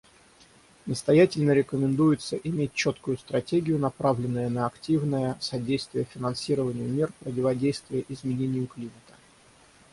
Настоятельно рекомендуется иметь четкую стратегию, направленную на активное содействие финансированию мер противодействия изменению климата.